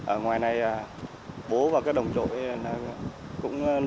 ở ngoài này bố và các đồng chí về thì cho mình chuyển lời đến hậu phương hậu phương cứ yên tâm ăn tết